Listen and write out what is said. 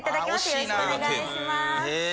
よろしくお願いします。